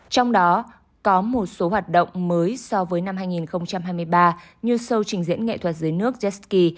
trong đó có một số hoạt động mới so với năm hai nghìn hai mươi ba như show trình diễn nghệ thuật dưới nước jet ski